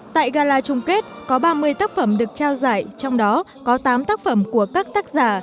tại gala chung kết có ba mươi tác phẩm được trao giải trong đó có tám tác phẩm của các tác giả